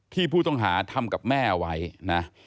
ที่ผู้ต้องหาทำกับแม่เอาไว้นะ